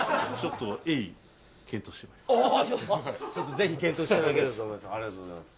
ぜひ検討していただければと思います